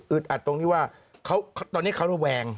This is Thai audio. อึดอัดตรงนี้ว่าเขาตอนนี้เขาแวง